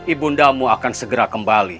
ibu ndamu akan segera kembali